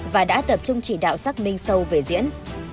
và đã tập trung chỉ đạo xác minh sâu về diễn